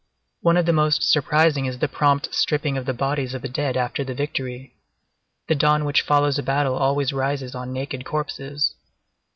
One of the most surprising is the prompt stripping of the bodies of the dead after the victory. The dawn which follows a battle always rises on naked corpses.